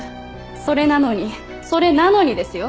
それなのにそれなのにですよ？